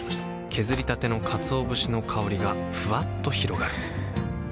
削りたてのかつお節の香りがふわっと広がるはぁ。